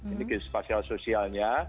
ini geospasial sosialnya